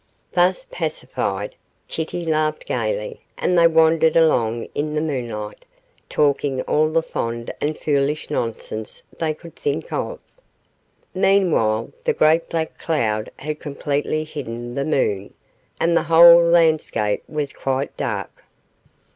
Thus pacified, Kitty laughed gaily, and they wandered along in the moonlight, talking all the fond and foolish nonsense they could think of. Meanwhile the great black cloud had completely hidden the moon, and the whole landscape was quite dark.